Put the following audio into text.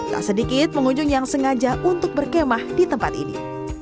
tak sedikit pengunjung yang sengaja untuk berkemah di tempat ini